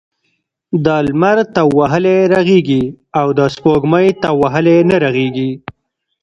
د لمر تاو وهلی رغیږي او دسپوږمۍ تاو وهلی نه رغیږی .